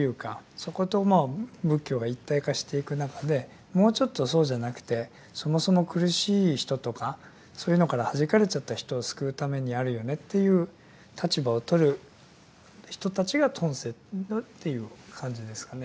そこと仏教が一体化していく中でもうちょっとそうじゃなくてそもそも苦しい人とかそういうのからはじかれちゃった人を救うためにあるよねっていう立場をとる人たちが遁世っていう感じですかね。